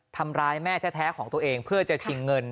ทำร้ายแม่แท้ของตัวเองเพื่อจะชิงเงิน